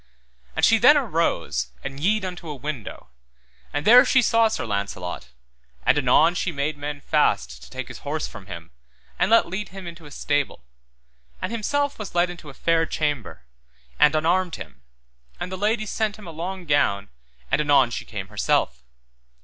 And she then arose and yede unto a window, and there she saw Sir Launcelot, and anon she made men fast to take his horse from him and let lead him into a stable, and himself was led into a fair chamber, and unarmed him, and the lady sent him a long gown, and anon she came herself.